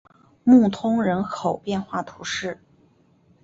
穆通人口变化图示